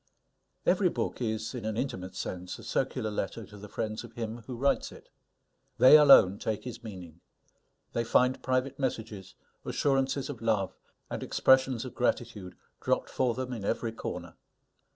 Every book is, in an intimate sense, a circular letter to the friends of him who writes it. They alone take his meaning; they find private messages, assurances of love, and expressions of gratitude, dropped for them in every corner.